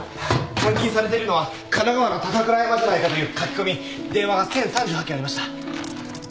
監禁されてるのは神奈川の高倉山じゃないかという書き込み電話が１，０３８件ありました。